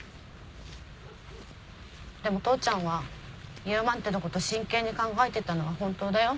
でも父ちゃんはイオマンテのこと真剣に考えてたのは本当だよ。